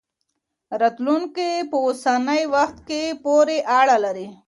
راتلونکی په اوسني وخت پورې اړه لري.